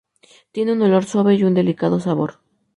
Tiene un olor suave y un delicado sabor.